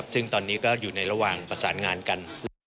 ซึ่งตอนนี้ก็อยู่ในระหว่างประสานงานกัน